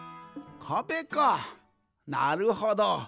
かべかなるほど。